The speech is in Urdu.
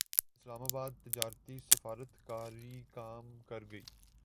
اسلام اباد تجارتی سفارت کاری کام کرگئی